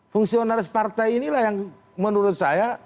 fungsionaris partai inilah yang menurut saya